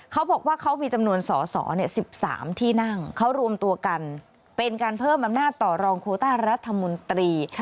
เขาบอกว่าเขามีจำนวนสอสอ๑๓ที่นั่งเขารวมตัวกันเป็นการเพิ่มอำนาจต่อรองโคต้ารัฐมนตรี